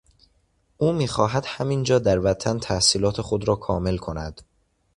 او میخواهد همین جا در وطن تحصیلات خود را کامل کند.